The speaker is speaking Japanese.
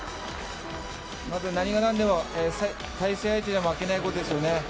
まず何がなんでも、対戦相手に負けないことですよね。